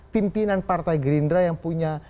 pimpinan partai gerindra yang punya